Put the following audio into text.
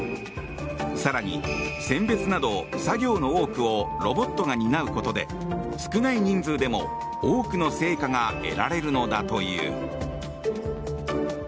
更に選別など作業の多くをロボットが担うことで少ない人数でも多くの成果が得られるのだという。